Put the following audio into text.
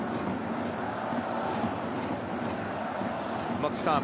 松木さん